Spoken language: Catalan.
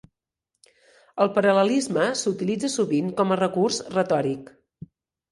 El paral·lelisme s'utilitza sovint com a recurs retòric.